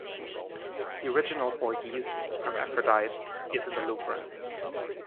The original Borghese Hermaphrodite is in the Louvre.